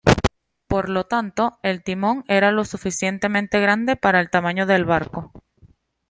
Por lo tanto, el timón era lo suficientemente grande para el tamaño del barco.